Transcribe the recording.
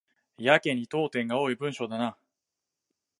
やけに読点が多い文章だな